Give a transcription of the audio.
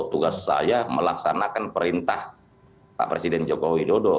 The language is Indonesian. tugas saya melaksanakan perintah pak presiden joko widodo